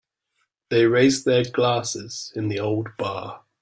They raised their glasses in the old bar.